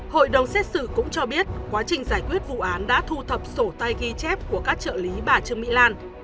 hội đồng xét xử cũng cho biết quá trình giải quyết vụ án đã thu thập sổ tay ghi chép của các trợ lý bà trương mỹ lan